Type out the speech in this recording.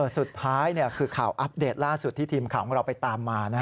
สุดท้ายคือข่าวอัปเดตล่าสุดที่ทีมข่าวของเราไปตามมา